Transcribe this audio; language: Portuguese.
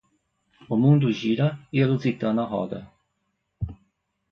O mundo gira e a Luzitana roda.